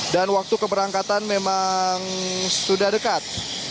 dan waktu keberangkatan memang sudah dekat